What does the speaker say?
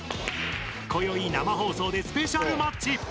こよい生放送でスペシャルマッチ。